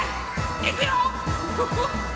いくよ！